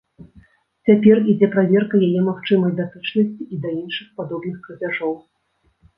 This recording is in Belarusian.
Цяпер ідзе праверка яе магчымай датычнасці і да іншых падобных крадзяжоў.